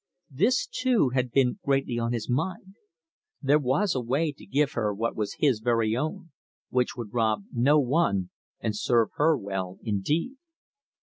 This too had been greatly on his mind. There was a way to give her what was his very own, which would rob no one and serve her well indeed.